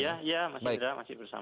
iya iya mas indra masih bersama